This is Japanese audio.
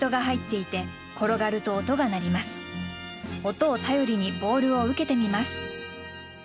音を頼りにボールを受けてみます。